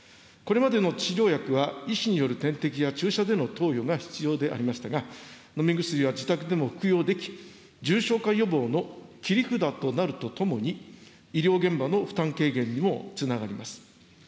これまでの治療薬は医師による点滴や注射での投与が必要でありましたが、飲み薬は自宅でも服用でき、重症化予防の切り札となるとともに、医療現場の負担軽減にもつながります。